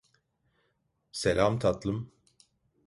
Selam tatlım.